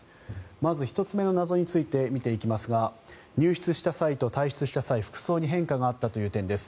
まず、１つ目の謎について見ていきますが入室した際と退室した際服装に変化があったという点です。